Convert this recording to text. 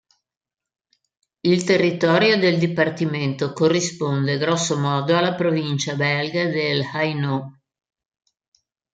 Il territorio del dipartimento corrisponde grossomodo alla provincia belga dell'Hainaut.